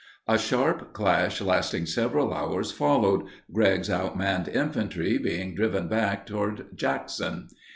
A sharp clash lasting several hours followed, Gregg's outmanned infantry being driven back toward Jackson.